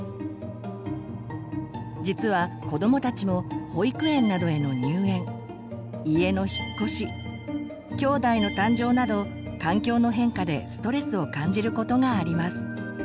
実は子どもたちも保育園などへの入園家の引っ越しきょうだいの誕生など環境の変化でストレスを感じることがあります。